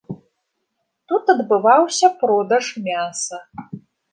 Тут адбываўся продаж мяса.